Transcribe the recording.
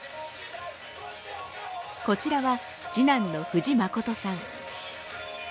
こちらは次男の藤誠さん。